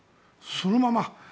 そのまま。